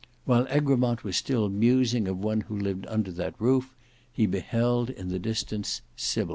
While Egremont was still musing of one who lived under that roof, he beheld in the distance Sybil.